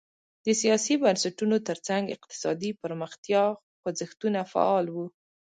د سیاسي بنسټونو ترڅنګ اقتصادي پرمختیا خوځښتونه فعال وو.